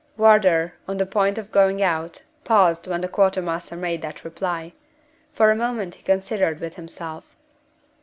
Wardour, on the point of going out, paused when the quartermaster made that reply. For a moment he considered with himself.